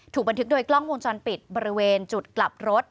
บันทึกโดยกล้องวงจรปิดบริเวณจุดกลับรถ